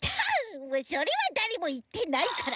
それはだれもいってないから！